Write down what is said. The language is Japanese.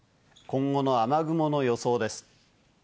今後の雨雲の予想です。